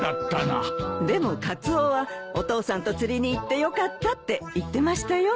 でもカツオはお父さんと釣りに行ってよかったって言ってましたよ。